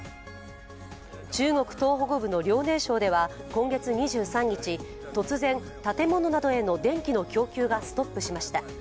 中国東北部の遼寧省では今月２３日、突然、建物などへの電気の供給がストップしました。